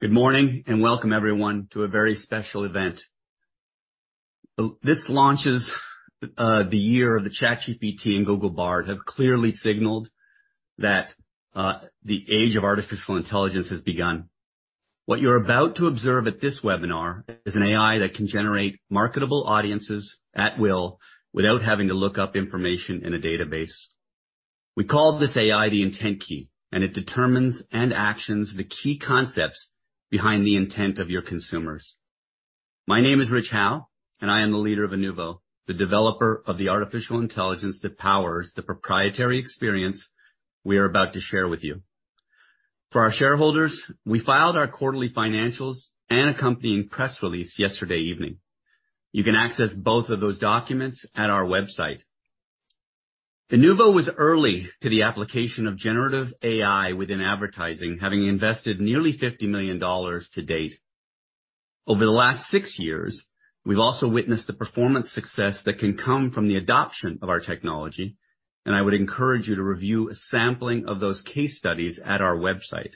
Good morning, and welcome everyone to a very special event. This launches the year the ChatGPT and Google Bard have clearly signaled that the age of artificial intelligence has begun. What you're about to observe at this webinar is an AI that can generate marketable audiences at will without having to look up information in a database. We call this AI the IntentKey, and it determines and actions the key concepts behind the intent of your consumers. My name is Rich Howe, and I am the leader of Inuvo, the developer of the artificial intelligence that powers the proprietary experience we are about to share with you. For our shareholders, we filed our quarterly financials and accompanying press release yesterday evening. You can access both of those documents at our website. Inuvo was early to the application of generative AI within advertising, having invested nearly $50 million to date. Over the last 6 years, we've also witnessed the performance success that can come from the adoption of our technology, and I would encourage you to review a sampling of those case studies at our website.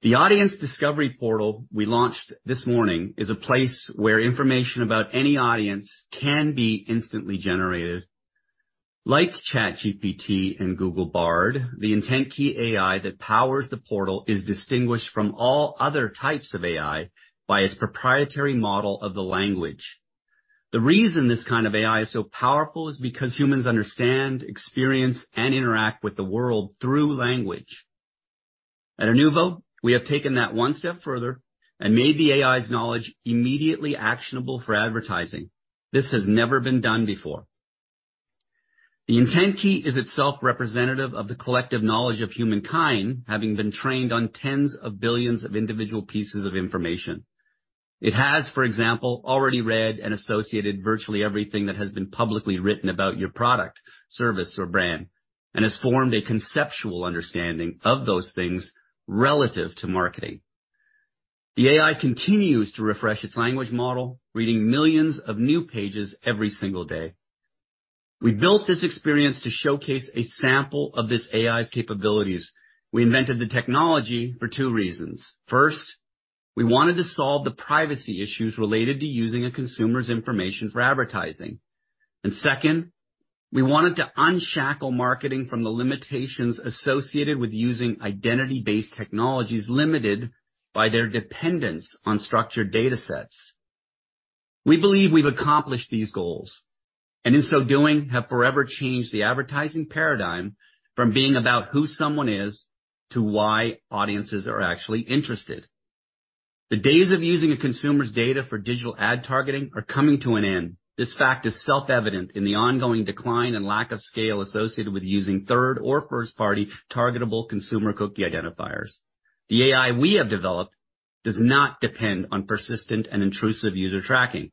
The Audience Discovery Portal we launched this morning is a place where information about any audience can be instantly generated. Like ChatGPT and Google Bard, the IntentKey AI that powers the Portal is distinguished from all other types of AI by its proprietary model of the language. The reason this kind of AI is so powerful is because humans understand, experience, and interact with the world through language. At Inuvo, we have taken that 1 step further and made the AI's knowledge immediately actionable for advertising. This has never been done before. The IntentKey is itself representative of the collective knowledge of humankind, having been trained on 10's of billions of individual pieces of information. It has, for example, already read and associated virtually everything that has been publicly written about your product, service, or brand and has formed a conceptual understanding of those things relative to marketing. The AI continues to refresh its language model, reading millions of new pages every single day. We built this experience to showcase a sample of this AI's capabilities. We invented the technology for 2 reasons. First, we wanted to solve the privacy issues related to using a consumer's information for advertising. Second, we wanted to unshackle marketing from the limitations associated with using identity-based technologies limited by their dependence on structured datasets. We believe we've accomplished these goals in so doing, have forever changed the advertising paradigm from being about who someone is to why audiences are actually interested. The days of using a consumer's data for digital ad targeting are coming to an end. This fact is self-evident in the ongoing decline and lack of scale associated with using third-party or first-party targetable consumer cookie identifiers. The AI we have developed does not depend on persistent and intrusive user tracking.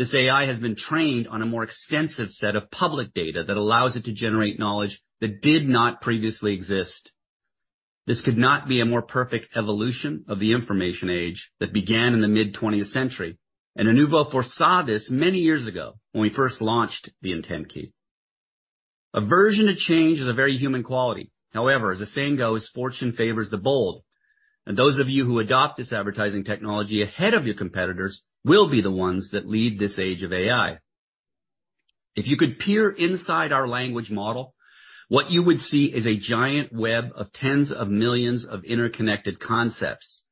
Rather, this AI has been trained on a more extensive set of public data that allows it to generate knowledge that did not previously exist. This could not be a more perfect evolution of the information age that began in the mid-20th century. Inuvo foresaw this many years ago when we first launched the IntentKey. Aversion to change is a very human quality. However, as the saying goes, "Fortune favors the bold." Those of you who adopt this advertising technology ahead of your competitors will be the ones that lead this age of AI. If you could peer inside our language model, what you would see is a giant web of 10's of millions of interconnected concepts.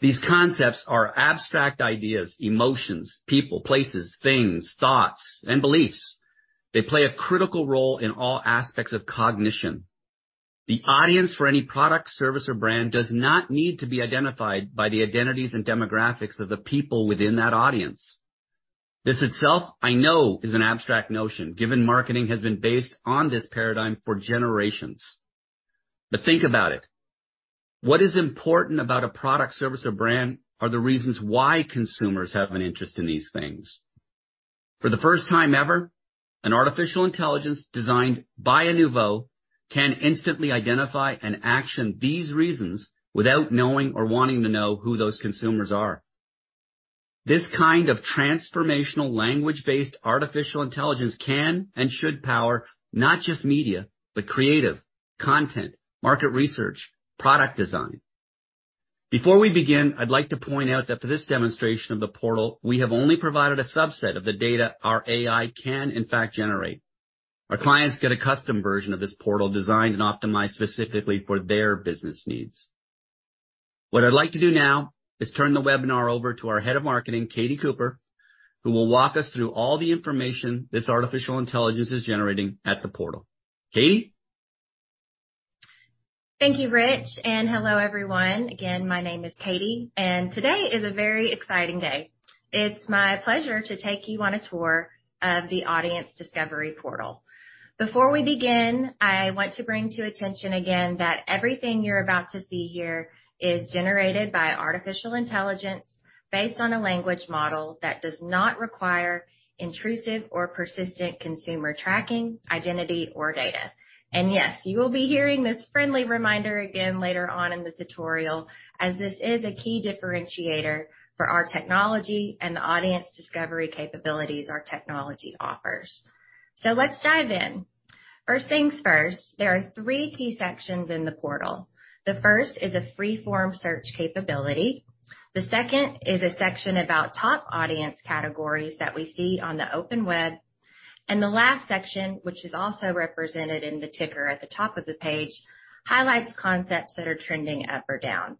These concepts are abstract ideas, emotions, people, places, things, thoughts, and beliefs. They play a critical role in all aspects of cognition. The audience for any product, service, or brand does not need to be identified by the identities and demographics of the people within that audience. This itself, I know, is an abstract notion, given marketing has been based on this paradigm for generations. Think about it. What is important about a product, service, or brand are the reasons why consumers have an interest in these things. For the first time ever, an artificial intelligence designed by Inuvo can instantly identify and action these reasons without knowing or wanting to know who those consumers are. This kind of transformational language-based artificial intelligence can and should power not just media, but creative, content, market research, product design. Before we begin, I'd like to point out that for this demonstration of the portal, we have only provided a subset of the data our AI can in fact generate. Our clients get a custom version of this portal designed and optimized specifically for their business needs. What I'd like to do now is turn the webinar over to our Head of Marketing, Katie Cooper, who will walk us through all the information this artificial intelligence is generating at the portal. Katie? Thank you, Rich. Hello, everyone. Again, my name is Katie. Today is a very exciting day. It's my pleasure to take you on a tour of the Audience Discovery Portal. Before we begin, I want to bring to attention again that everything you're about to see here is generated by artificial intelligence based on a language model that does not require intrusive or persistent consumer tracking, identity, or data. Yes, you will be hearing this friendly reminder again later on in this tutorial, as this is a key differentiator for our technology and the Audience Discovery capabilities our technology offers. Let's dive in. First things first, there are 3 key sections in the portal. The 1st is a free form search capability. The 2nd is a section about top audience categories that we see on the open web. The last section, which is also represented in the ticker at the top of the page, highlights concepts that are trending up or down.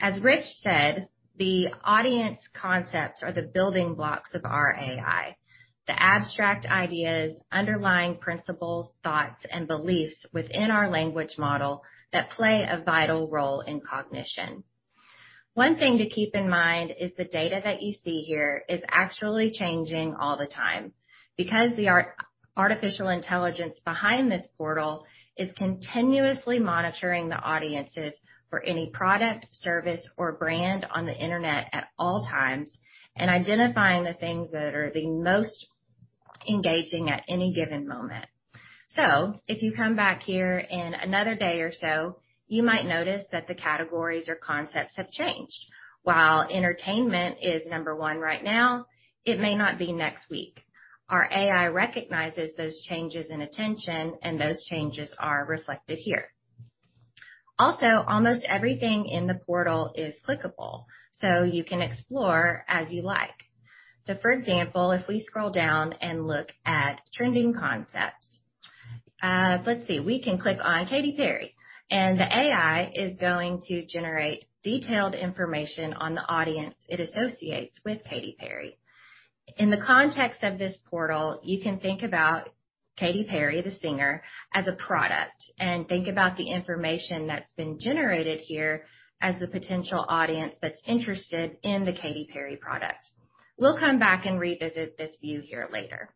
As Rich said, the audience concepts are the building blocks of our AI. The abstract ideas, underlying principles, thoughts, and beliefs within our language model that play a vital role in cognition. 1 thing to keep in mind is the data that you see here is actually changing all the time because the artificial intelligence behind this portal is continuously monitoring the audiences for any product, service, or brand on the Internet at all times, and identifying the things that are the most engaging at any given moment. If you come back here in another day or so, you might notice that the categories or concepts have changed. While entertainment is number 1 right now, it may not be next week. Our AI recognizes those changes in attention, and those changes are reflected here. Also, almost everything in the portal is clickable, so you can explore as you like. For example, if we scroll down and look at trending concepts. Let's see, we can click on Katy Perry, and the AI is going to generate detailed information on the audience it associates with Katy Perry. In the context of this portal, you can think about Katy Perry, the singer, as a product, and think about the information that's been generated here as the potential audience that's interested in the Katy Perry product. We'll come back and revisit this view here later.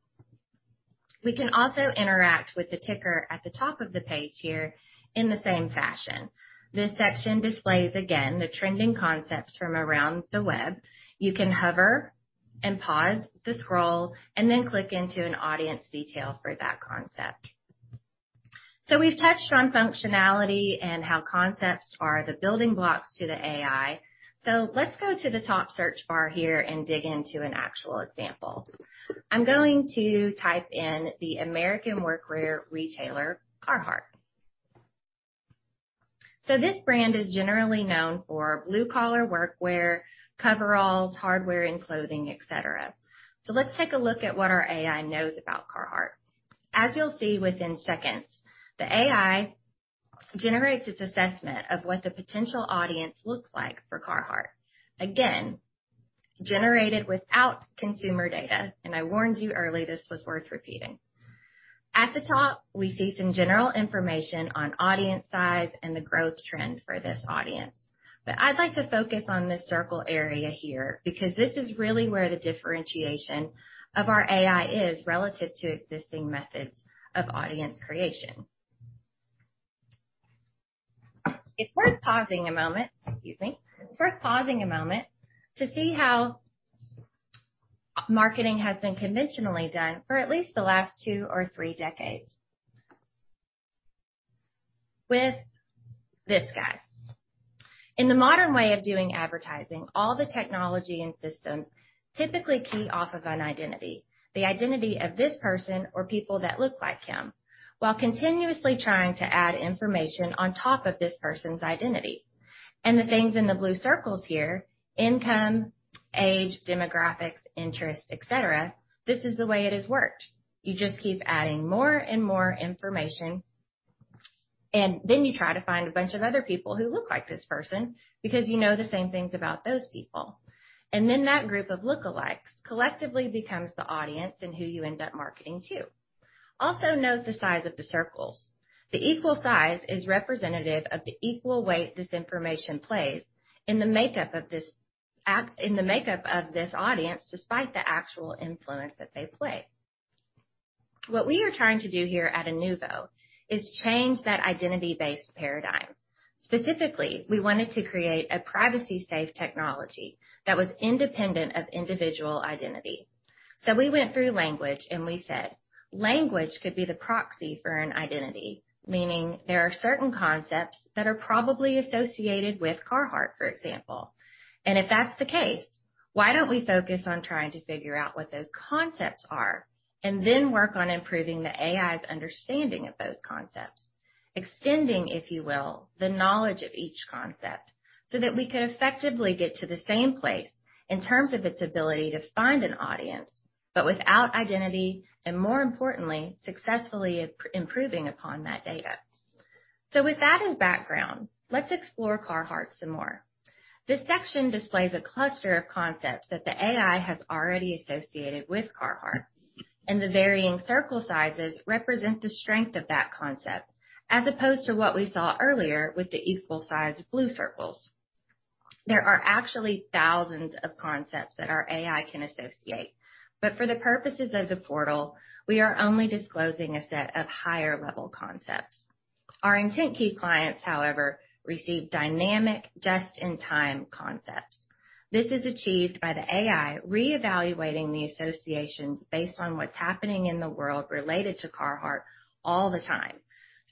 We can also interact with the ticker at the top of the page here in the same fashion. This section displays, again, the trending concepts from around the web. You can hover and pause the scroll, and then click into an audience detail for that concept. We've touched on functionality and how concepts are the building blocks to the AI. Let's go to the top search bar here and dig into an actual example. I'm going to type in the American workwear retailer, Carhartt. This brand is generally known for blue-collar workwear, coveralls, hardware and clothing, et cetera. Let's take a look at what our AI knows about Carhartt. As you'll see within seconds, the AI generates its assessment of what the potential audience looks like for Carhartt. Again, generated without consumer data. I warned you earlier, this was worth repeating. At the top, we see some general information on audience size and the growth trend for this audience. I'd like to focus on this circle area here, because this is really where the differentiation of our AI is relative to existing methods of audience creation. It's worth pausing a moment. Excuse me. Worth pausing a moment to see how marketing has been conventionally done for at least the last 2 or 3 decades. With this guy. In the modern way of doing advertising, all the technology and systems typically key off of an identity, the identity of this person or people that look like him, while continuously trying to add information on top of this person's identity. The things in the blue circles here, income, age, demographics, interest, et cetera, this is the way it has worked. You just keep adding more and more information, and then you try to find a bunch of other people who look like this person because you know the same things about those people. That group of lookalikes collectively becomes the audience and who you end up marketing to. Note the size of the circles. The equal size is representative of the equal weight this information plays in the makeup of this audience, despite the actual influence that they play. What we are trying to do here at Inuvo is change that identity-based paradigm. Specifically, we wanted to create a privacy safe technology that was independent of individual identity. We went through language and we said, language could be the proxy for an identity, meaning there are certain concepts that are probably associated with Carhartt, for example. If that's the case, why don't we focus on trying to figure out what those concepts are and then work on improving the AI's understanding of those concepts? Extending, if you will, the knowledge of each concept so that we could effectively get to the same place in terms of its ability to find an audience, but without identity, and more importantly, successfully improving upon that data. With that as background, let's explore Carhartt some more. This section displays a cluster of concepts that the AI has already associated with Carhartt, and the varying circle sizes represent the strength of that concept as opposed to what we saw earlier with the equal sized blue circles. There are actually thousands of concepts that our AI can associate, but for the purposes of the portal, we are only disclosing a set of higher level concepts. Our IntentKey clients, however, receive dynamic just in time concepts. This is achieved by the AI reevaluating the associations based on what's happening in the world related to Carhartt all the time.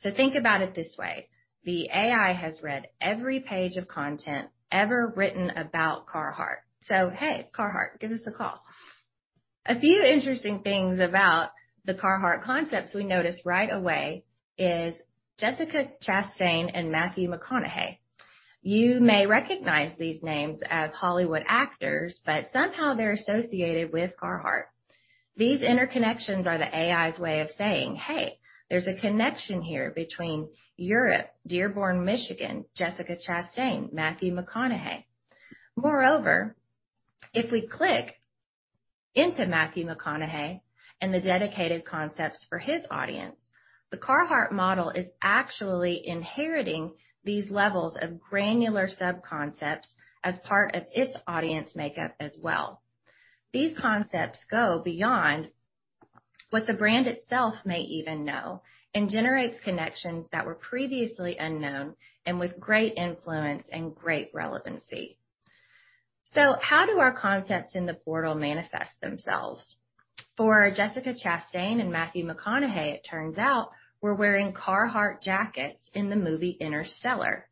Think about it this way. The AI has read every page of content ever written about Carhartt. Hey, Carhartt, give us a call. A few interesting things about the Carhartt concepts we noticed right away is Jessica Chastain and Matthew McConaughey. You may recognize these names as Hollywood actors, but somehow they're associated with Carhartt. These interconnections are the AI's way of saying, "Hey, there's a connection here between Europe, Dearborn, Michigan, Jessica Chastain, Matthew McConaughey." Moreover, if we click into Matthew McConaughey and the dedicated concepts for his audience, the Carhartt model is actually inheriting these levels of granular sub-concepts as part of its audience makeup as well. These concepts go beyond what the brand itself may even know and generates connections that were previously unknown and with great influence and great relevancy. How do our concepts in the portal manifest themselves? For Jessica Chastain and Matthew McConaughey, it turns out were wearing Carhartt jackets in the movie Interstellar.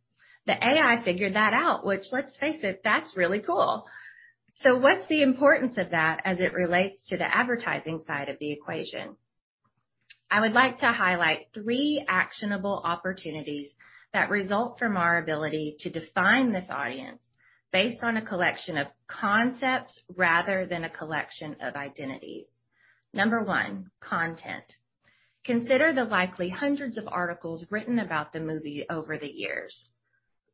The AI figured that out, which, let's face it, that's really cool. What's the importance of that as it relates to the advertising side of the equation? I would like to highlight 3 actionable opportunities that result from our ability to define this audience based on a collection of concepts rather than a collection of identities. Number 1, content. Consider the likely hundreds of articles written about the movie over the years.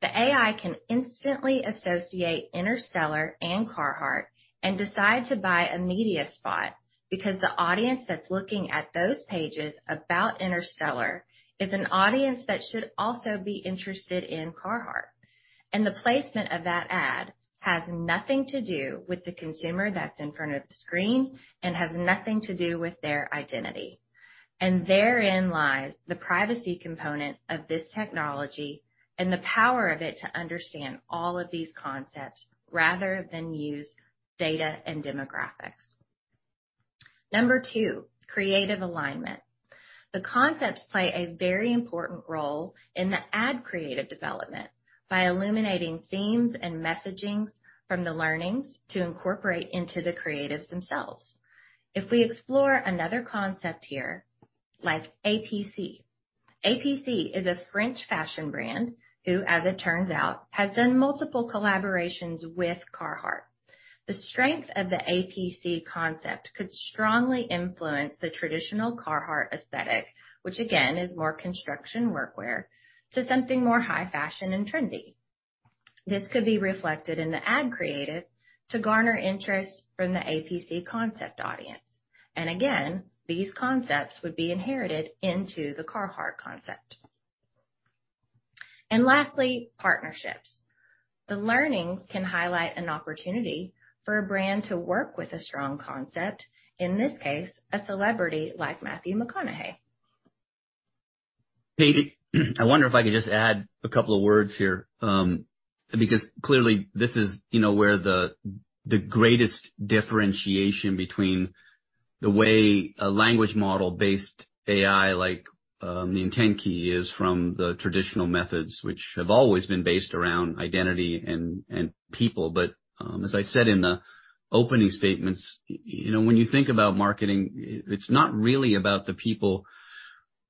The AI can instantly associate Interstellar and Carhartt and decide to buy a media spot because the audience that's looking at those pages about Interstellar is an audience that should also be interested in Carhartt. The placement of that ad has nothing to do with the consumer that's in front of the screen and has nothing to do with their identity. Therein lies the privacy component of this technology and the power of it to understand all of these concepts rather than use data and demographics. Number 2, creative alignment. The concepts play a very important role in the ad creative development by illuminating themes and messagings from the learnings to incorporate into the creatives themselves. If we explore another concept here, like A.P.C.. A.P.C. is a French fashion brand who, as it turns out, has done multiple collaborations with Carhartt. The strength of the A.P.C. concept could strongly influence the traditional Carhartt aesthetic, which again, is more construction workwear to something more high fashion and trendy. This could be reflected in the ad creative to garner interest from the A.P.C. concept audience. Again, these concepts would be inherited into the Carhartt concept. Lastly, partnerships. The learning can highlight an opportunity for a brand to work with a strong concept, in this case, a celebrity like Matthew McConaughey. Katie, I wonder if I could just add a couple of words here, because clearly this is, you know, where the greatest differentiation between the way a language model-based AI like, the IntentKey is from the traditional methods, which have always been based around identity and people. As I said in the opening statements, you know, when you think about marketing, it's not really about the people.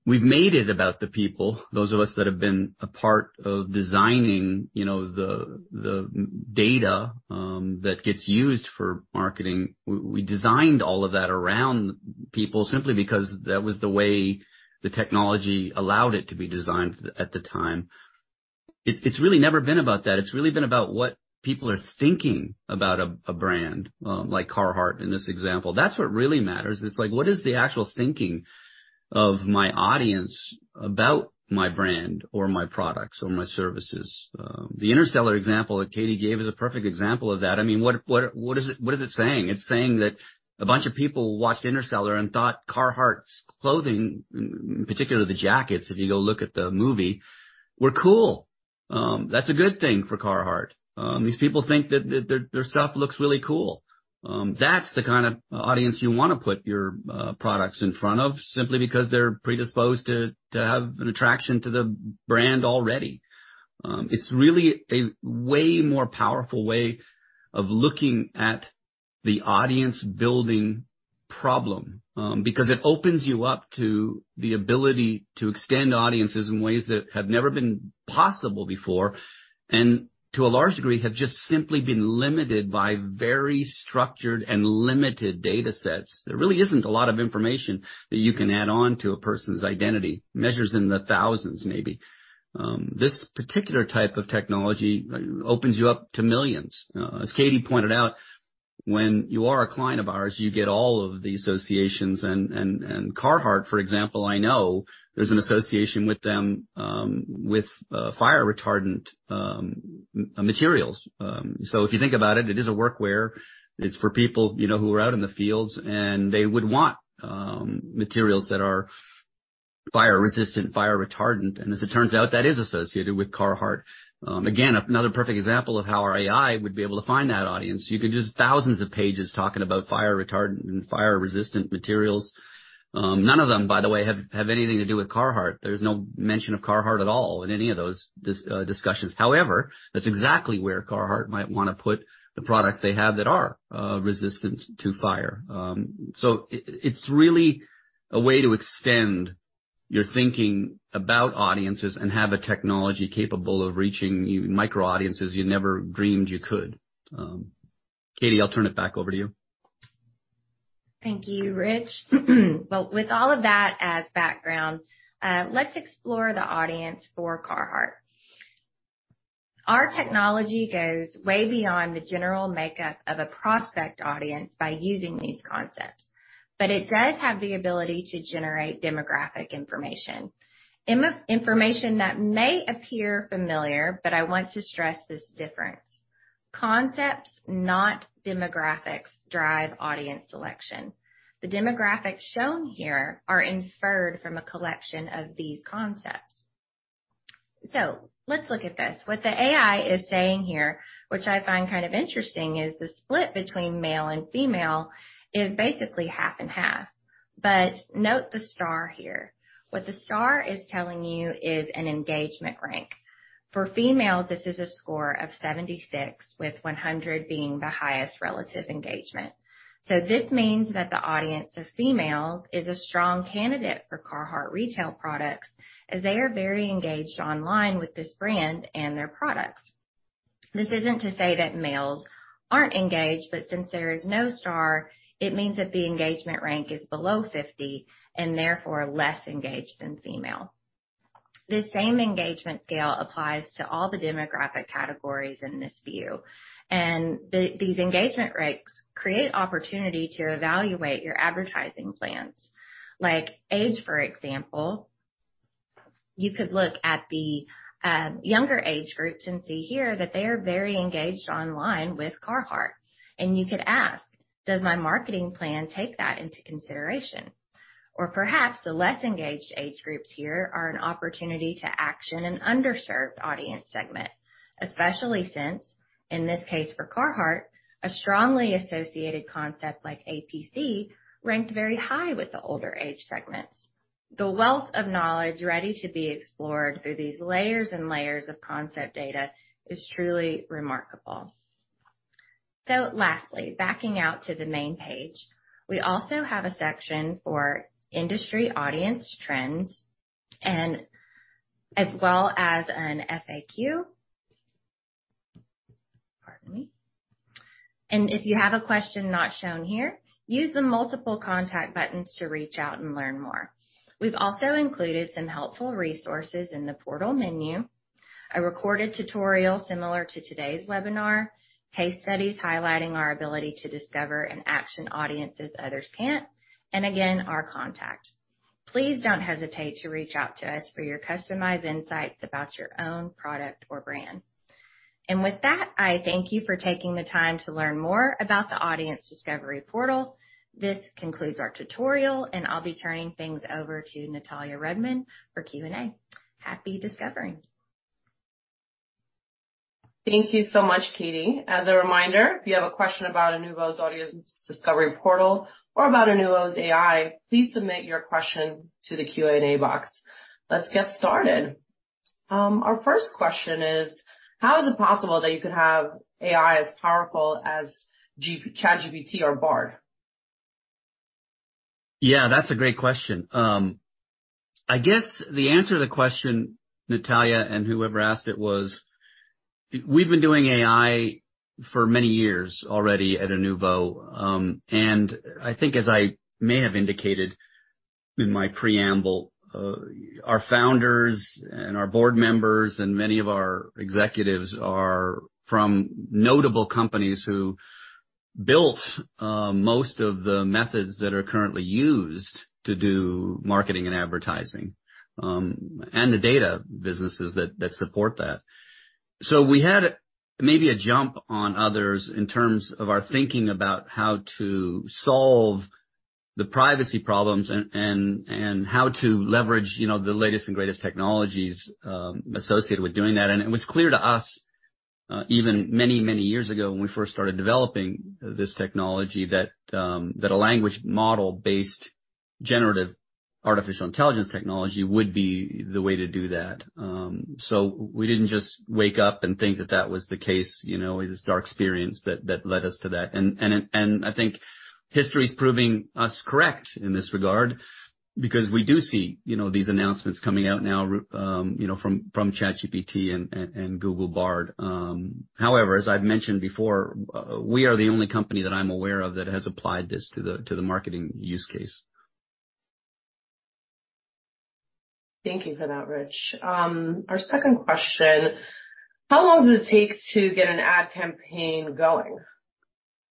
We've made it about the people. Those of us that have been a part of designing, you know, the data, that gets used for marketing. We designed all of that around people simply because that was the way the technology allowed it to be designed at the time. It's really never been about that. It's really been about what people are thinking about a brand, like Carhartt in this example. That's what really matters, is like, what is the actual thinking of my audience about my brand or my products or my services? The Interstellar example that Katie gave is a perfect example of that. I mean, what is it saying? It's saying that a bunch of people watched Interstellar and thought Carhartt's clothing, particularly the jackets, if you go look at the movie, were cool. That's a good thing for Carhartt. These people think that their stuff looks really cool. That's the kind of audience you wanna put your products in front of simply because they're predisposed to have an attraction to the brand already. It's really a way more powerful way of looking at the audience-building problem, because it opens you up to the ability to extend audiences in ways that have never been possible before, and to a large degree, have just simply been limited by very structured and limited data sets. There really isn't a lot of information that you can add on to a person's identity. Measures in the thousands, maybe. This particular type of technology opens you up to millions. As Katie pointed out, when you are a client of ours, you get all of the associations. And Carhartt, for example, I know there's an association with them, with fire retardant materials. If you think about it is a workwear. It's for people, you know, who are out in the fields, they would want materials that are fire resistant, fire retardant. As it turns out, that is associated with Carhartt. Again, another perfect example of how our AI would be able to find that audience. You could do thousands of pages talking about fire retardant and fire-resistant materials. None of them, by the way, have anything to do with Carhartt. There's no mention of Carhartt at all in any of those discussions. However, that's exactly where Carhartt might wanna put the products they have that are resistant to fire. It's really a way to extend your thinking about audiences and have the technology capable of reaching micro audiences you never dreamed you could. Katie, I'll turn it back over to you. Thank you, Rich. With all of that as background, let's explore the audience for Carhartt. Our technology goes way beyond the general makeup of a prospect audience by using these concepts, but it does have the ability to generate demographic information. Information that may appear familiar, but I want to stress this difference. Concepts, not demographics, drive audience selection. The demographics shown here are inferred from a collection of these concepts. Let's look at this. What the AI is saying here, which I find kind of interesting, is the split between male and female is basically 50/50. Note the star here. What the star is telling you is an engagement rank. For females, this is a score of 76, with 100 being the highest relative engagement. This means that the audience of females is a strong candidate for Carhartt retail products, as they are very engaged online with this brand and their products. This isn't to say that males aren't engaged, since there is no star, it means that the engagement rank is below 50, and therefore less engaged than female. The same engagement scale applies to all the demographic categories in this view, these engagement ranks create opportunity to evaluate your advertising plans. Age, for example. You could look at the younger age group and see here that they are very engaged online with Carhartt. You could ask, "Does my marketing plan take that into consideration?" Perhaps the less engaged age groups here are an opportunity to action an underserved audience segment, especially since, in this case for Carhartt, a strongly associated concept like A.P.C. ranked very high with the older age segments. The wealth of knowledge ready to be explored through these layers and layers of concept data is truly remarkable. Lastly, backing out to the main page, we also have a section for industry audience trends and as well as an FAQ. Pardon me. If you have a question not shown here, use the multiple contact buttons to reach out and learn more. We've also included some helpful resources in the portal menu, a recorded tutorial similar to today's webinar, case studies highlighting our ability to discover and action audiences others can't, and again, our contact. Please don't hesitate to reach out to us for your customized insights about your own product or brand. With that, I thank you for taking the time to learn more about the Audience Discovery Portal. This concludes our tutorial, and I'll be turning things over to Natalya Rudman for Q&A. Happy discovering. Thank you so much, Katie. As a reminder, if you have a question about Inuvo's Audience Discovery Portal or about Inuvo's AI, please submit your question to the Q&A box. Let's get started. Our 1st question is: How is it possible that you could have AI as powerful as ChatGPT or Bard? That's a great question. I guess the answer to the question, Natalya, and whoever asked it was, we've been doing AI for many years already at Inuvo. I think, as I may have indicated in my preamble, our founders and our board members and many of our executives are from notable companies who built most of the methods that are currently used to do marketing and advertising, and the data businesses that support that. We had maybe a jump on others in terms of our thinking about how to solve the privacy problems and how to leverage, you know, the latest and greatest technologies associated with doing that. It was clear to us, even many, many years ago when we first started developing this technology, that a language model-based generative artificial intelligence technology would be the way to do that. We didn't just wake up and think that that was the case, you know. It was our experience that led us to that. I think history is proving us correct in this regard because we do see, you know, these announcements coming out now, you know, from ChatGPT and Google Bard. However, as I've mentioned before, we are the only company that I'm aware of that has applied this to the marketing use case. Thank you for that, Rich. Our 2nd question: How long does it take to get an ad campaign going?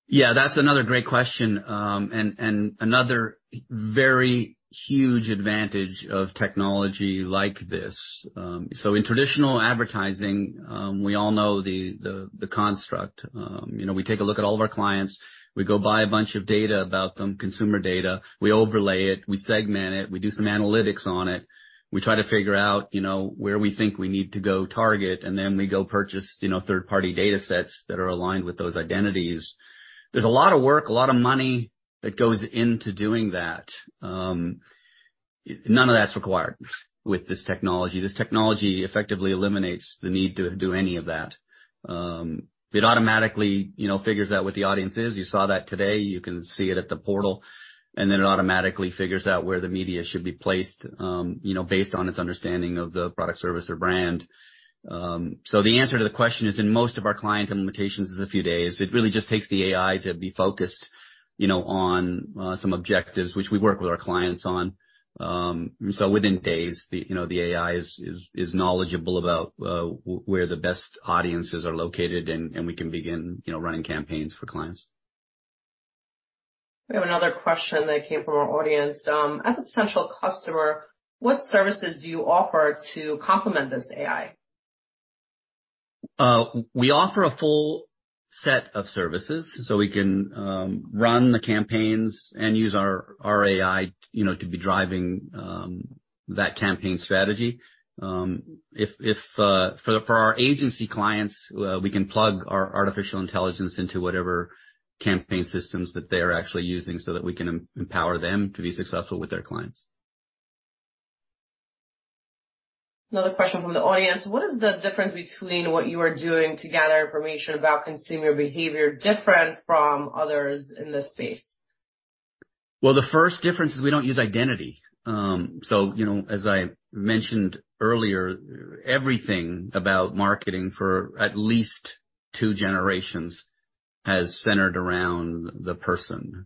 That's another great question, and another very huge advantage of technology like this. In traditional advertising, we all know the construct. You know, we take a look at all of our clients, we go buy a bunch of data about them, consumer data, we overlay it, we segment it, we do some analytics on it. We try to figure out, you know, where we think we need to go target, we go purchase, you know, third-party datasets that are aligned with those identities. There's a lot of work, a lot of money that goes into doing that. None of that's required with this technology. This technology effectively eliminates the need to do any of that. It automatically, you know, figures out what the audience is. You saw that today. You can see it at the portal. It automatically figures out where the media should be placed, you know, based on its understanding of the product, service, or brand. The answer to the question is, in most of our clients, implementations is a few days. It really just takes the AI to be focused, you know, on some objectives which we work with our clients on. Within days, the AI is knowledgeable about where the best audiences are located and we can begin, you know, running campaigns for clients. We have another question that came from our audience. As a potential customer, what services do you offer to complement this AI? We offer a full set of services, so we can run the campaigns and use our AI, you know, to be driving that campaign strategy. For our agency clients, we can plug our artificial intelligence into whatever campaign systems that they are actually using so that we can empower them to be successful with their clients. Another question from the audience. What is the difference between what you are doing to gather information about consumer behavior different from others in this space? The first difference is we don't use identity. You know, as I mentioned earlier, everything about marketing for at least 2 generations has centered around the person.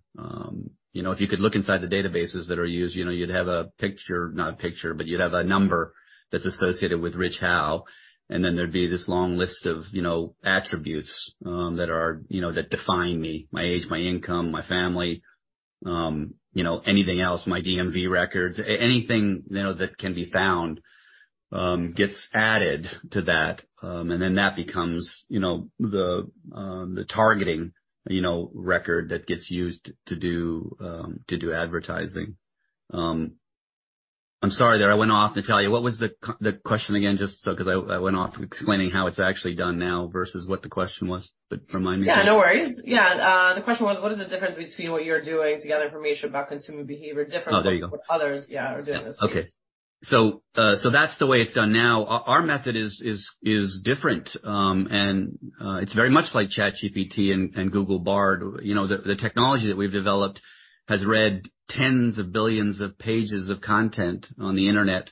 You know, if you could look inside the databases that are used, you know, you'd have a picture, Not a picture, but you'd have a number that's associated with Rich Howe, and then there'd be this long list of, you know, attributes that are, you know, that define me, my age, my income, my family, you know, anything else, my DMV records. Anything, you know, that can be found gets added to that, and then that becomes, you know, the targeting, you know, record that gets used to do advertising. I'm sorry, there I went off, Natalya. What was the question again? Just so. I went off explaining how it's actually done now versus what the question was, but remind me. No worries. The question was, what is the difference between what you're doing to gather information about consumer behavior. Oh, there you go. from what others, are doing in this space? Okay. That's the way it's done now. Our method is different, and it's very much like ChatGPT and Google Bard. You know, the technology that we've developed has read 10's of billions of pages of content on the Internet,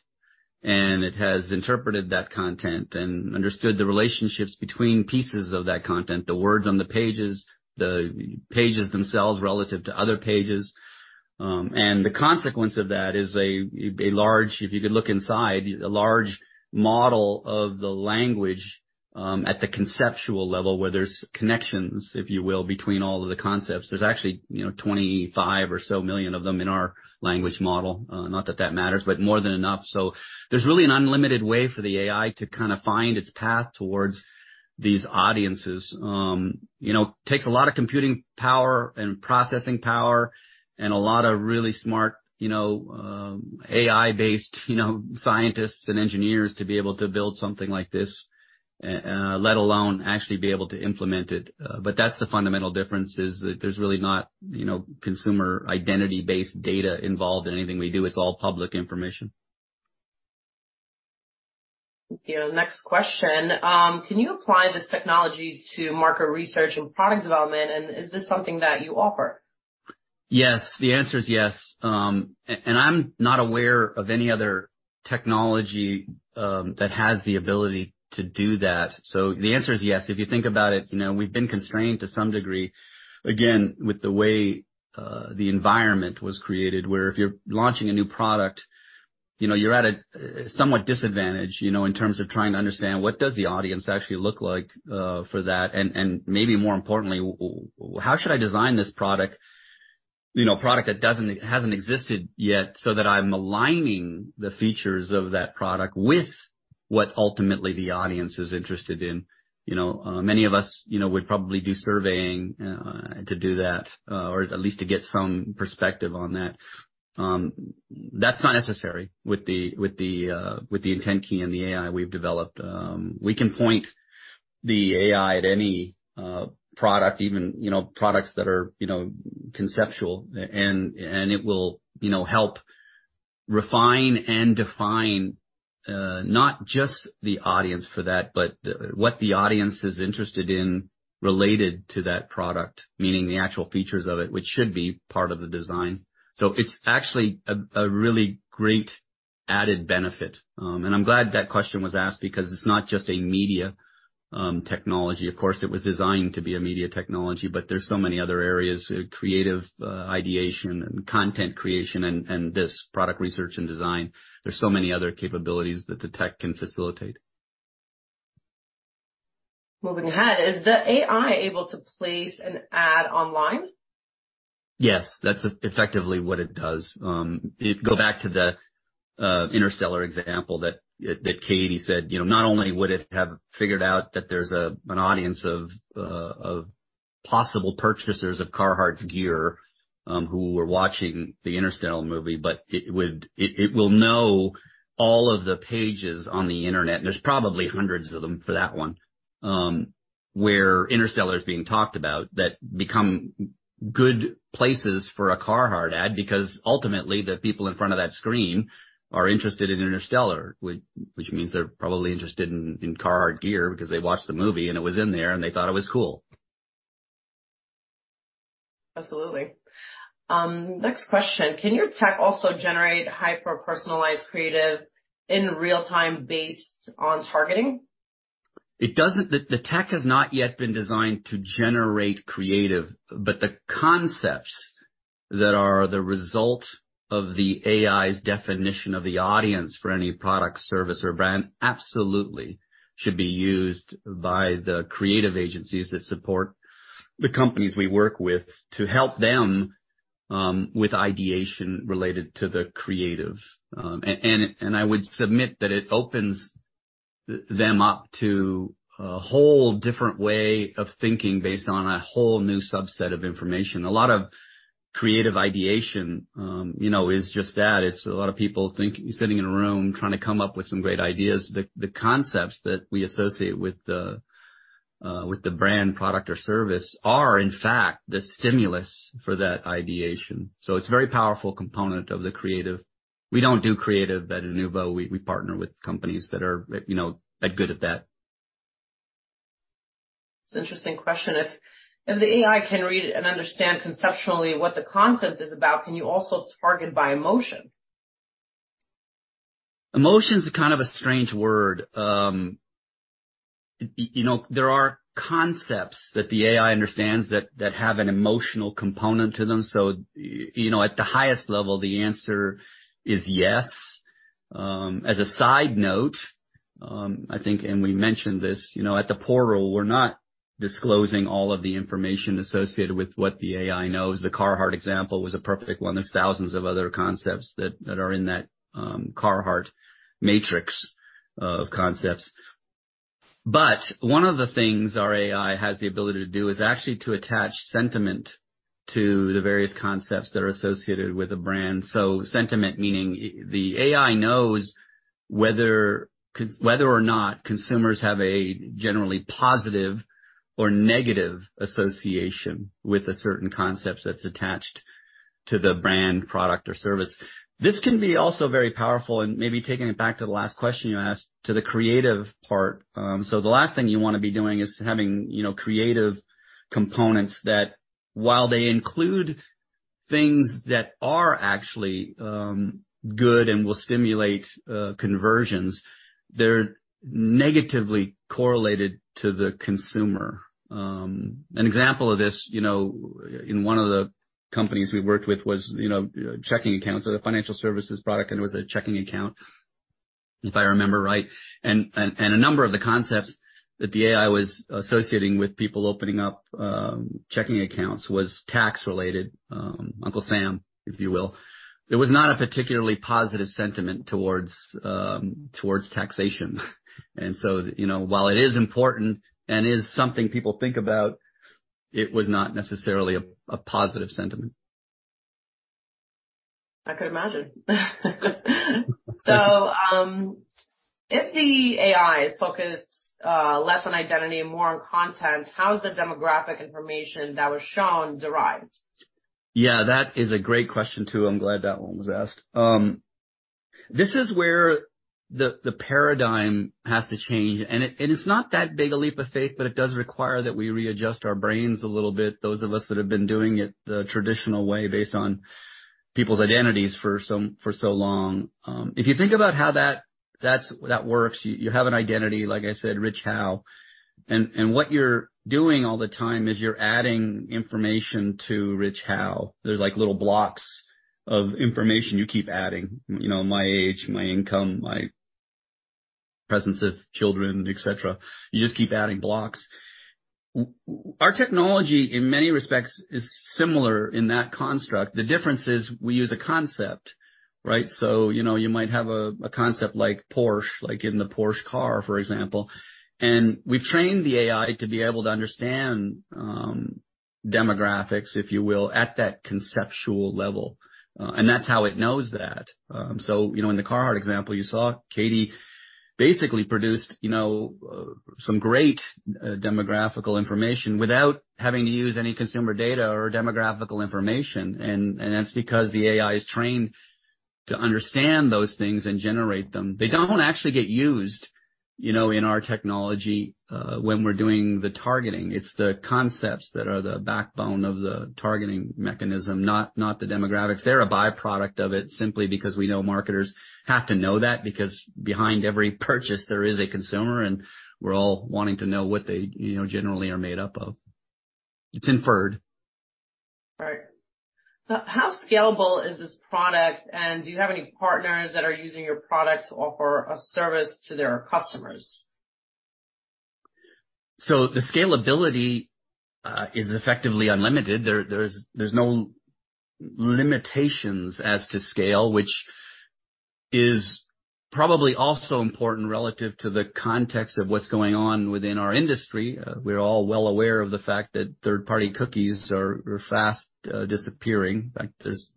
and it has interpreted that content and understood the relationships between pieces of that content, the words on the pages, the pages themselves relative to other pages. And the consequence of that is a large If you could look inside, a large model of the language, at the conceptual level, where there's connections, if you will, between all of the concepts. There's actually, you know, 25 or so million of them in our language model. Not that that matters, but more than enough. There's really an unlimited way for the AI to kind of find its path towards these audiences. You know, takes a lot of computing power and processing power and a lot of really smart, you know, AI-based, you know, scientists and engineers to be able to build something like this, let alone actually be able to implement it. That's the fundamental difference, is that there's really not, you know, consumer identity-based data involved in anything we do. It's all public information. Thank you. The next question. Can you apply this technology to market research and product development, and is this something that you offer? Yes. The answer is yes. I'm not aware of any other technology that has the ability to do that. The answer is yes. If you think about it, you know, we've been constrained to some degree, again, with the way the environment was created, where if you're launching a new product, you know, you're at a somewhat disadvantage, you know, in terms of trying to understand what does the audience actually look like for that, and maybe more importantly, how should I design this product, you know, product that doesn't, hasn't existed yet, so that I'm aligning the features of that product with what ultimately the audience is interested in. You know, many of us, you know, would probably do surveying to do that or at least to get some perspective on that. That's not necessary with the IntentKey and the AI we've developed. We can point the AI at any product even, you know, products that are, you know, conceptual and it will, you know, help refine and define not just the audience for that, but what the audience is interested in related to that product, meaning the actual features of it, which should be part of the design. It's actually a really great added benefit. I'm glad that question was asked because it's not just a media technology. Of course, it was designed to be a media technology, but there's so many other areas, creative ideation and content creation and this product research and design. There's so many other capabilities that the tech can facilitate. Moving ahead. Is the AI able to place an ad online? Yes, that's effectively what it does. Go back to the Interstellar example that Katie said. You know, not only would it have figured out that there's an audience of possible purchasers of Carhartt's gear who were watching the Interstellar movie, but it will know all of the pages on the Internet, and there's probably hundreds of them for that one, where Interstellar is being talked about, that become good places for a Carhartt ad, because ultimately, the people in front of that screen are interested in Interstellar, which means they're probably interested in Carhartt gear because they watched the movie and it was in there and they thought it was cool. Absolutely. Next question: Can your tech also generate hyper-personalized creative in real-time based on targeting? The tech has not yet been designed to generate creative, but the concepts that are the result of the AI's definition of the audience for any product, service, or brand absolutely should be used by the creative agencies that support the companies we work with to help them with ideation related to the creative. I would submit that it opens them up to a whole different way of thinking based on a whole new subset of information. A lot of creative ideation, you know, is just that. It's a lot of people sitting in a room trying to come up with some great ideas. The concepts that we associate with the brand, product or service are in fact the stimulus for that ideation. It's a very powerful component of the creative. We don't do creative at Inuvo. We partner with companies that are, you know, that good at that. It's an interesting question. If the AI can read and understand conceptually what the concept is about, can you also target by emotion? Emotion is kind of a strange word. You know, there are concepts that the AI understands that have an emotional component to them. At the highest level, the answer is yes. As a side note, I think, and we mentioned this, you know, at the portal, we're not disclosing all of the information associated with what the AI knows. The Carhartt example was a perfect one. There's thousands of other concepts that are in that Carhartt matrix of concepts. One of the things our AI has the ability to do is actually to attach sentiment to the various concepts that are associated with a brand. Sentiment meaning the AI knows whether or not consumers have a generally positive or negative association with the certain concepts that's attached to the brand, product or service. This can be also very powerful and maybe taking it back to the last question you asked to the creative part. The last thing you wanna be doing is having, you know, creative components that while they include things that are actually good and will stimulate conversions, they're negatively correlated to the consumer. An example of this, you know, in one of the companies we worked with was, you know, checking accounts or the financial services product, and it was a checking account, if I remember right. A number of the concepts that the AI was associating with people opening up checking accounts was tax-related, Uncle Sam, if you will. There was not a particularly positive sentiment towards towards taxation. You know, while it is important and is something people think about, it was not necessarily a positive sentiment. I could imagine. If the AI is focused, less on identity and more on content, how is the demographic information that was shown derived? That is a great question, too. I'm glad that one was asked. This is where the paradigm has to change. It's not that big a leap of faith, but it does require that we readjust our brains a little bit, those of us that have been doing it the traditional way based on people's identities for so long. If you think about how that works, you have an identity, like I said, Rich Howe. What you're doing all the time is you're adding information to Rich Howe. There's like little blocks of information you keep adding. You know, my age, my income, my presence of children, et cetera. You just keep adding blocks. Our technology in many respects is similar in that construct. The difference is we use a concept, right? You know, you might have a concept like Porsche, like in the Porsche car, for example. We've trained the AI to be able to understand demographics, if you will, at that conceptual level. That's how it knows that. You know, in the Carhartt example, you saw Katie basically produced, you know, some great demographical information without having to use any consumer data or demographical information. That's because the AI is trained to understand those things and generate them. They don't actually get used, you know, in our technology when we're doing the targeting. It's the concepts that are the backbone of the targeting mechanism, not the demographics. They're a byproduct of it, simply because we know marketers have to know that, because behind every purchase there is a consumer, and we're all wanting to know what they, you know, generally are made up of. It's inferred. Right. How scalable is this product? Do you have any partners that are using your product to offer a service to their customers? The scalability is effectively unlimited. There's no limitations as to scale, which is probably also important relative to the context of what's going on within our industry. We're all well aware of the fact that third-party cookies are fast disappearing. Like, there's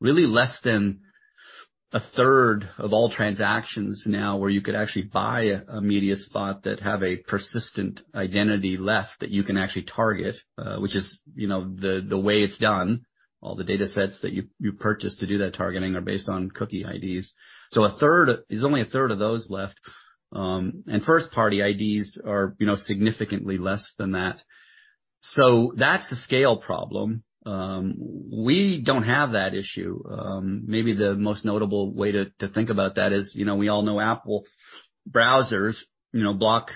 really less than 1/3 of all transactions now where you could actually buy a media spot that have a persistent identity left that you can actually target, which is, you know, the way it's done. All the datasets that you purchase to do that targeting are based on cookie IDs. There's only 1/3 of those left. First-party IDs are, you know, significantly less than that. That's the scale problem. We don't have that issue. Maybe the most notable way to think about that is, you know, we all know Apple browsers, you know, block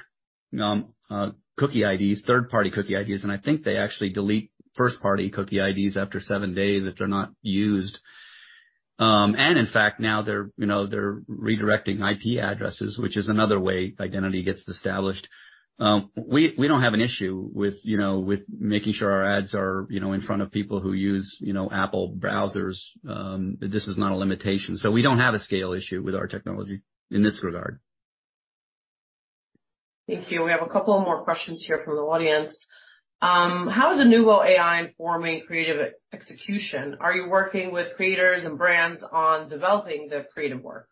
cookie IDs, third-party cookie IDs, and I think they actually delete first-party cookie IDs after 7 days if they're not used. In fact, now they're, you know, they're redirecting IP addresses, which is another way identity gets established. We don't have an issue with, you know, with making sure our ads are, you know, in front of people who use, you know, Apple browsers. This is not a limitation. We don't have a scale issue with our technology in this regard. Thank you. We have a couple of more questions here from the audience. How is Inuvo AI informing creative execution? Are you working with creators and brands on developing the creative work?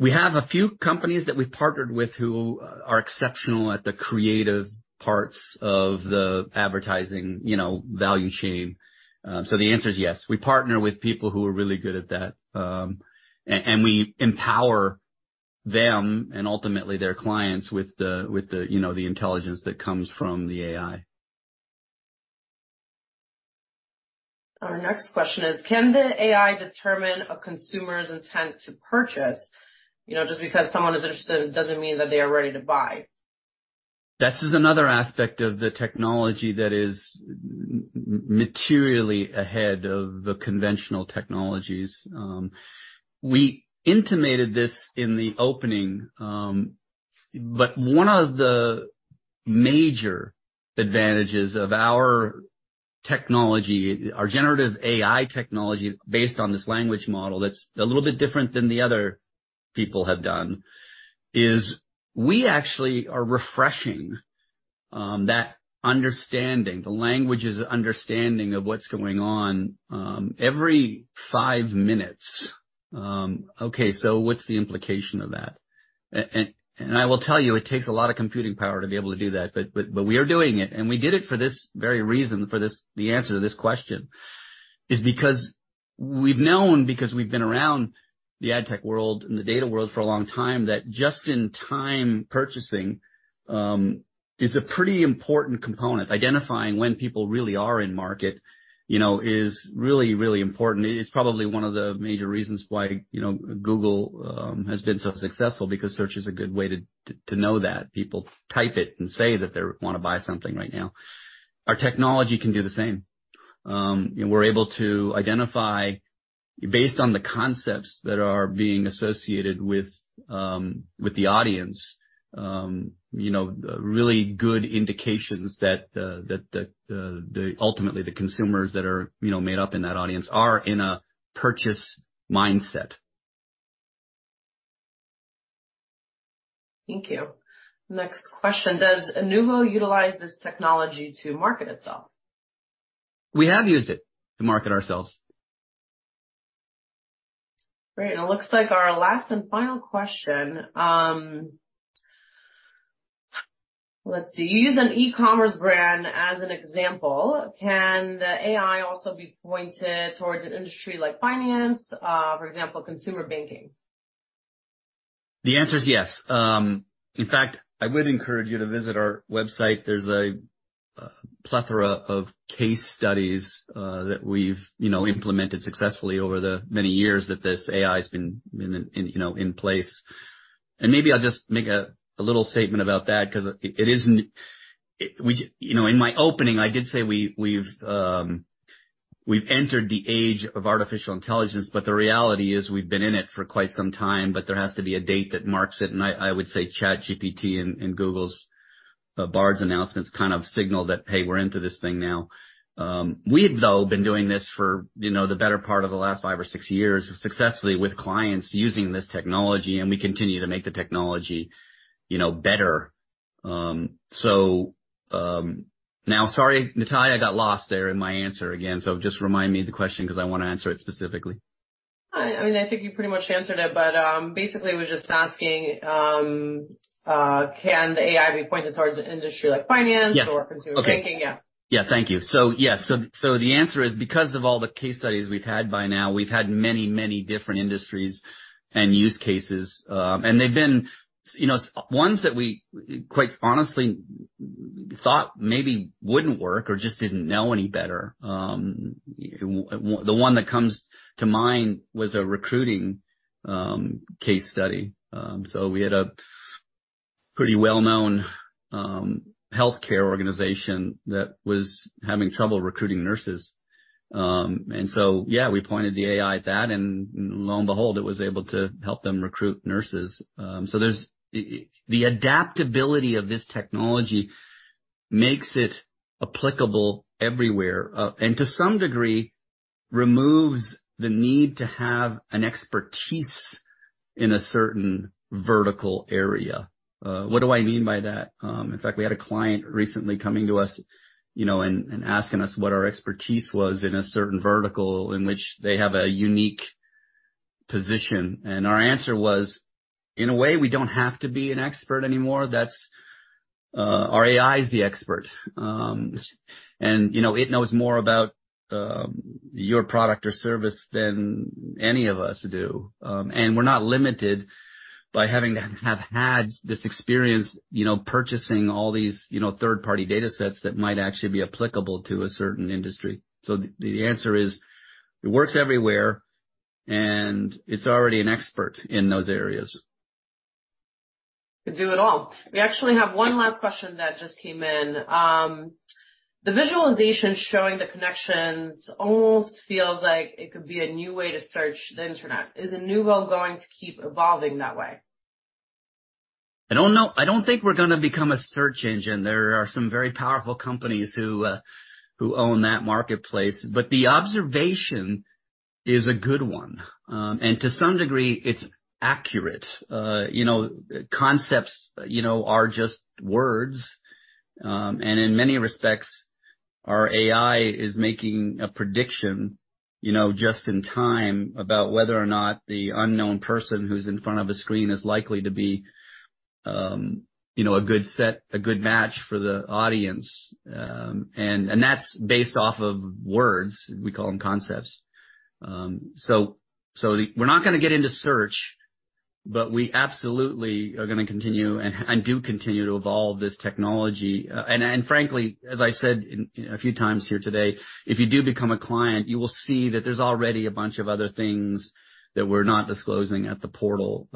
We have a few companies that we've partnered with who are exceptional at the creative parts of the advertising, you know, value chain. The answer is yes. We partner with people who are really good at that. We empower them, and ultimately their clients, with the, with the, you know, the intelligence that comes from the AI. Our next question is: Can the AI determine a consumer's intent to purchase? You know, just because someone is interested doesn't mean that they are ready to buy. This is another aspect of the technology that is materially ahead of the conventional technologies. We intimated this in the opening, one of the major advantages of our technology, our generative AI technology based on this language model that's a little bit different than the other people have done, is we actually are refreshing that understanding, the language's understanding of what's going on, every 5 minutes. What's the implication of that? I will tell you, it takes a lot of computing power to be able to do that, but we are doing it, and we did it for this very reason, for this the answer to this question is because we've known, because we've been around the ad tech world and the data world for a long time, that just-in-time purchasing is a pretty important component. Identifying when people really are in market, you know, is really, really important. It's probably one of the major reasons why, you know, Google has been so successful, because search is a good way to know that. People type it and say that they wanna buy something right now. Our technology can do the same. We're able to identify based on the concepts that are being associated with the audience, you know, really good indications that ultimately, the consumers that are, you know, made up in that audience are in a purchase mindset. Thank you. Next question: Does Inuvo utilize this technology to market itself? We have used it to market ourselves. Great. It looks like our last and final question. Let's see. You use an e-commerce brand as an example. Can the AI also be pointed towards an industry like finance, for example, consumer banking? The answer is yes. In fact, I would encourage you to visit our website. There's a plethora of case studies that we've, you know, implemented successfully over the many years that this AI's been in, you know, in place. Maybe I'll just make a little statement about that, 'cause You know, in my opening, I did say we've entered the age of artificial intelligence, but the reality is we've been in it for quite some time, but there has to be a date that marks it, and I would say ChatGPT and Google's Bard's announcements kind of signal that, hey, we're into this thing now. We've, though, been doing this for, you know, the better part of the last 5 or 6 years successfully with clients using this technology, and we continue to make the technology, you know, better. Now, sorry, Natalya, I got lost there in my answer again, so just remind me of the question, 'cause I wanna answer it specifically. I mean, I think you pretty much answered it. Basically it was just asking, can the AI be pointed towards an industry like finance? Yes. consumer banking? Okay. Yeah. Thank you. The answer is, because of all the case studies we've had by now, we've had many, many different industries and use cases. They've been, you know, ones that we quite honestly thought maybe wouldn't work or just didn't know any better. The one that comes to mind was a recruiting case study. We had a pretty well-known healthcare organization that was having trouble recruiting nurses. We pointed the AI at that, and lo and behold, it was able to help them recruit nurses. The adaptability of this technology makes it applicable everywhere, and to some degree, removes the need to have an expertise in a certain vertical area. What do I mean by that? In fact, we had a client recently coming to us, you know, and asking us what our expertise was in a certain vertical in which they have a unique position. Our answer was, in a way, we don't have to be an expert anymore. That's, our AI is the expert. You know, it knows more about your product or service than any of us do. We're not limited by having to have had this experience, you know, purchasing all these, you know, third-party datasets that might actually be applicable to a certain industry. The answer is it works everywhere, and it's already an expert in those areas. Could do it all. We actually have 1 last question that just came in. The visualization showing the connections almost feels like it could be a new way to search the internet. Is Inuvo going to keep evolving that way? I don't know. I don't think we're gonna become a search engine. There are some very powerful companies who own that marketplace. The observation is a good one. To some degree, it's accurate. You know, concepts, you know, are just words. In many respects, our AI is making a prediction, you know, just in time, about whether or not the unknown person who's in front of a screen is likely to be, you know, a good set, a good match for the audience. That's based off of words, we call them concepts. We're not gonna get into search, but we absolutely are gonna continue and do continue to evolve this technology. Frankly, as I said in- a few times here today, if you do become a client, you will see that there's already a bunch of other things that we're not disclosing at the portal.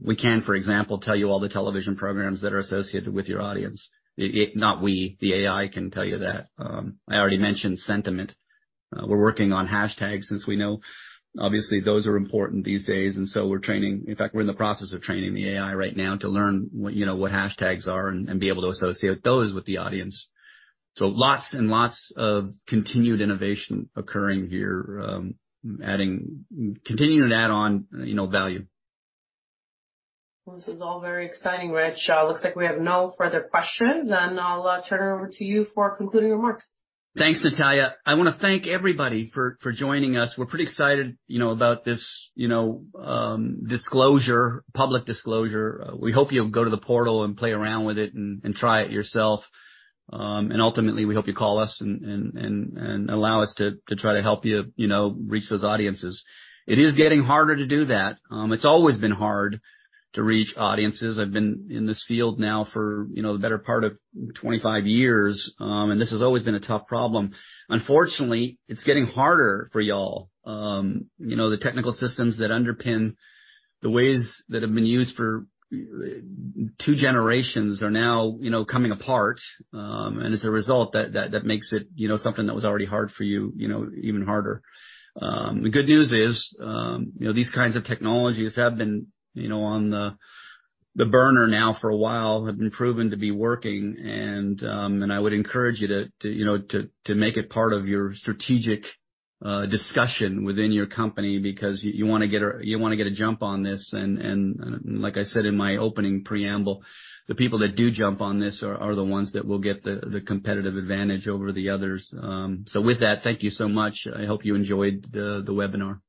We can, for example, tell you all the television programs that are associated with your audience. Not we, the AI can tell you that. I already mentioned sentiment. We're working on hashtags since we know obviously those are important these days. We're training, in fact, we're in the process of training the AI right now to learn what, you know, what hashtags are and be able to associate those with the audience. Lots and lots of continued innovation occurring here, continuing to add on, you know, value. This is all very exciting, Rich. looks like we have no further questions, and I'll turn it over to you for concluding remarks. Thanks, Natalia. I wanna thank everybody for joining us. We're pretty excited, you know, about this, you know, disclosure, public disclosure. We hope you'll go to the portal and play around with it and try it yourself. Ultimately, we hope you call us and allow us to try to help you know, reach those audiences. It is getting harder to do that. It's always been hard to reach audiences. I've been in this field now for, you know, the better part of 25 years, and this has always been a tough problem. Unfortunately, it's getting harder for y'all. You know, the technical systems that underpin the ways that have been used for 2 generations are now, you know, coming apart, and as a result, that makes it, you know, something that was already hard for you know, even harder. The good news is, you know, these kinds of technologies have been, you know, on the burner now for a while, have been proven to be working. I would encourage you to, you know, to make it part of your strategic discussion within your company because you wanna get a jump on this. Like I said in my opening preamble, the people that do jump on this are the ones that will get the competitive advantage over the others. With that, thank you so much. I hope you enjoyed the webinar.